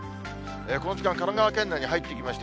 この時間、神奈川県内に入ってきました。